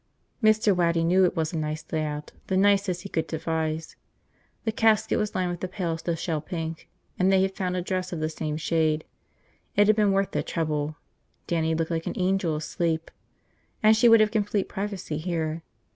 Mr. Waddy knew it was a nice layout, the nicest he could devise. The casket was lined with the palest of shell pink, and they had found a dress of the same shade. It had been worth the trouble. Dannie looked like an angel asleep. And she would have complete privacy here.